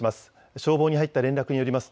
消防に入った連絡によります